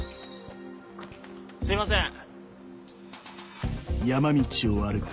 すいません！